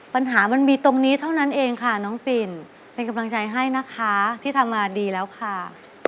ปัญหามันมีตรงนี้เท่านั้นเองค่ะน้องปิ่นเป็นกำลังใจให้นะคะที่ทำมาดีแล้วค่ะ